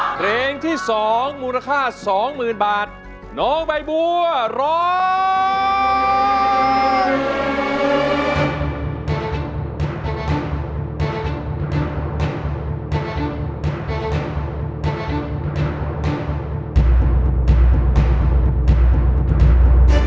เพลงที่สองมูลค่าสองหมื่นบาทน้องใบบัวร้อง